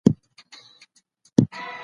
داستاني اثار د زمانې هنداره بلل کيدای سي.